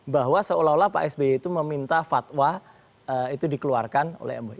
bahwa seolah olah pak sby itu meminta fatwa itu dikeluarkan oleh mui